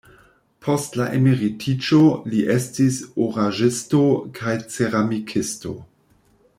Post la emeritiĝo li estis oraĵisto kaj ceramikisto.